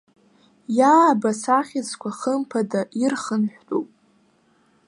Иаабац ахьыӡқәа хымԥада ирхынҳәтәуп.